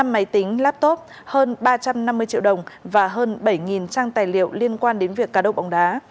năm máy tính laptop hơn ba trăm năm mươi triệu đồng và hơn bảy trang tài liệu liên quan đến việc cá độ bóng đá